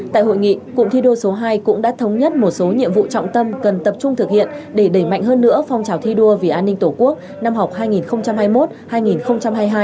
tại hội nghị cụm thi đua số hai cũng đã thống nhất một số nhiệm vụ trọng tâm cần tập trung thực hiện để đẩy mạnh hơn nữa phong trào thi đua vì an ninh tổ quốc năm học hai nghìn hai mươi một hai nghìn hai mươi hai